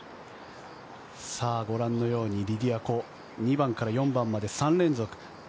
ご覧のようにリディア・コ、２番から４番まで３連続。